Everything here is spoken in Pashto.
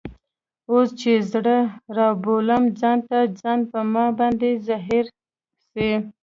اوس چي زړه رابولم ځان ته ، ځان په ما باندي زهیر سي